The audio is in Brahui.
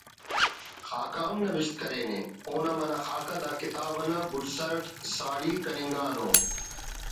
خاکہ ہم نوشت کرینے اونا منہ خاکہ دا کتاب نا گڈ سر اٹ ساڑی کننگانو